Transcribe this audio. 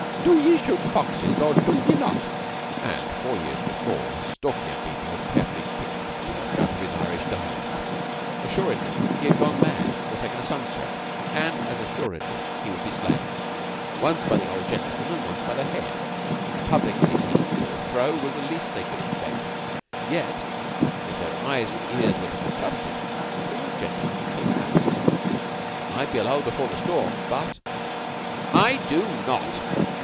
Do ye shoot foxes or do ye not?" And four years before Stalky and Beetle had carefully kicked McTurk out of his Irish dialect! Assuredly he had gone mad or taken a sunstroke, and as assuredly he would be slain once by the old gentleman and once by the Head. A public licking for the three was the least they could expect. Yet if their eyes and ears were to be trusted the old gentleman had collapsed. It might be a lull before the storm, but "I do not."